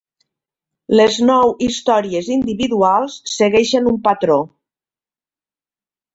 Les nou històries individuals segueixen un patró.